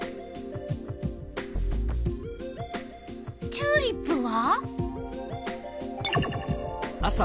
チューリップは？